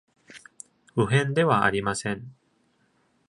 不変ではありません。